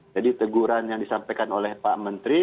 jadi teguran yang disampaikan oleh pak menteri